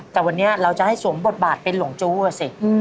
แต่วันนี้เราจะให้สวมบทบาทเป็นหลงจู้อ่ะสิ